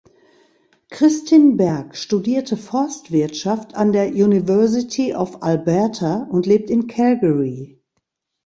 Kristin Berg studierte Forstwirtschaft an der University of Alberta und lebt in Calgary.